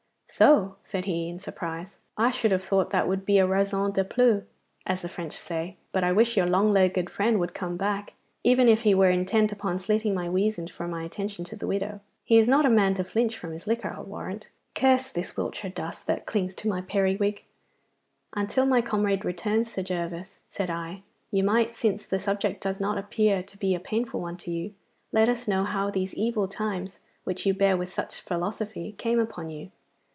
'So!' said he in surprise. 'I should have thought that would be a "raison de plus," as the French say. But I wish your long legged friend would come back, even if he were intent upon slitting my weazand for my attention to the widow. He is not a man to flinch from his liquor, I'll warrant. Curse this Wiltshire dust that clings to my periwig!' 'Until my comrade returns, Sir Gervas,' said I, 'you might, since the subject does not appear to be a painful one to you, let us know how these evil times, which you bear with such philosophy, came upon you.